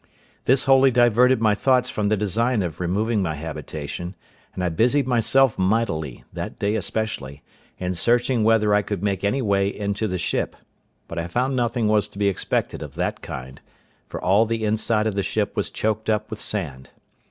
This wholly diverted my thoughts from the design of removing my habitation, and I busied myself mightily, that day especially, in searching whether I could make any way into the ship; but I found nothing was to be expected of that kind, for all the inside of the ship was choked up with sand.